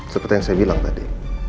seperti yang saya bilang tadi